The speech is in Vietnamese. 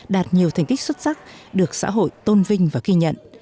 đạt nhiều thành tích xuất sắc được xã hội tôn vinh và ghi nhận